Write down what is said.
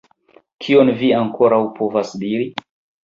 Kion vi ankoraŭ povas diri?